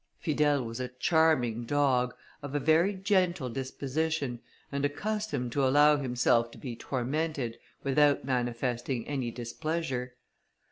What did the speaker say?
Fidèle was a charming dog, of a very gentle disposition, and accustomed to allow himself to be tormented, without manifesting any displeasure.